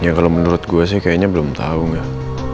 ya kalau menurut gue sih kayaknya belum tahu nggak